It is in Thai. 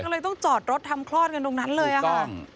ก็เลยต้องจอดรถทำคลอดกันตรงนั้นเลยค่ะ